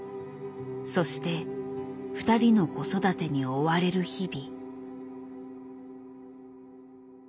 そして２人の子育てに追われる日々。